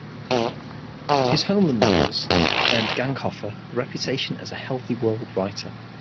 His homeland novels earned Ganghofer the reputation as a "healthy world" writer".